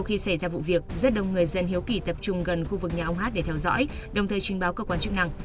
họ đã đến khu vườn nhà ông h để theo dõi đồng thời trình báo cơ quan chức năng